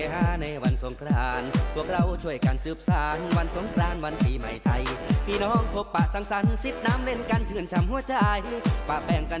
เห็นแล้วอยากลางงานแล้วไปเล่นน้ำสงกรานที่ถนนข้าวเหนียวเลยค่ะ